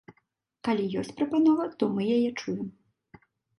Калі ёсць прапанова, то мы яе чуем.